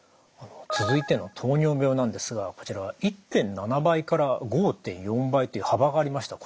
続いての糖尿病なんですがこちらは１．７倍５．４倍という幅がありました。